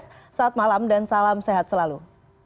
selamat malam dan salam sehat selalu